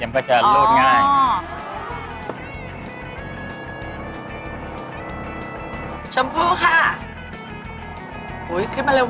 โอ๊ยขึ้นมาเร็วมากเลย